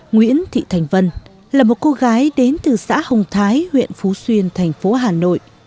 nguyễn thị thành vân là một cô gái đến từ xã hồng thái huyện phú xuyên thành phố hà nội